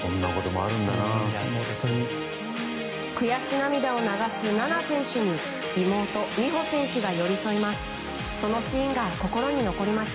悔し涙を流す菜那選手に妹・美帆選手が寄り添います。